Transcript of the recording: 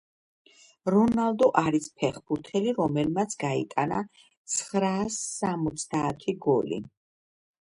რონალდო არის ფეხბურთელი რომელმაც გაიტანა ცხრაასსამოცდაათი გოლი